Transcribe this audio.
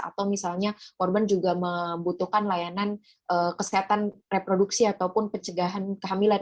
atau misalnya korban juga membutuhkan layanan kesehatan reproduksi ataupun pencegahan kehamilan